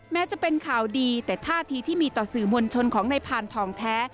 แม้จะเป็นข่าวดีแต่ท่าทีที่มีต่อสื่อมวลชนของนายพานทองแท้